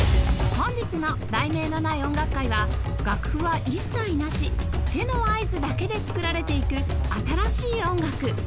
本日の『題名のない音楽会』は楽譜は一切なし手の合図だけで作られていく新しい音楽